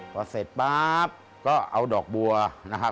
พอเสร็จป๊าบก็เอาดอกบัวนะครับ